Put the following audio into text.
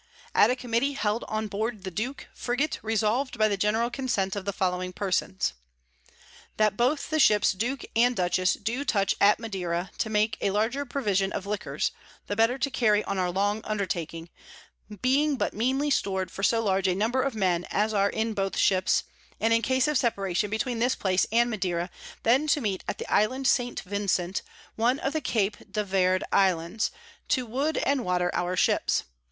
At a Committee held on Board the Duke Frigate, resolv'd by the General Consent of the following Persons: [Sidenote: From Cork to the Southward.] That both the Ships Duke and Dutchess do touch at Madera, _to make a larger Provision of Liquors, the better to carry on our long Undertaking, being but meanly stor'd for so large a Number of Men as are in both Ships; and in case of Separation between this Place and_ Madera, then to meet at the Island St. Vincent, one of the Cape de Verd _Islands, to wood and water our Ships.